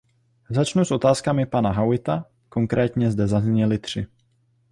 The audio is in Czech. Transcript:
Začnu s otázkami pana Howitta, konkrétně zde zazněly tři.